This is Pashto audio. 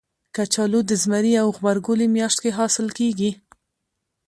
کچالو د زمري او غبرګولي میاشت کې حاصل کېږي